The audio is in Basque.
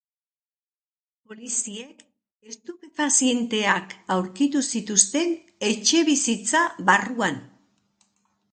Poliziek estupefazienteak aurkitu zituzten etxebizitza barruan.